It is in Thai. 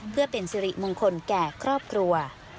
เพื่อเป็นสิริมงคลแก่ครอบครัว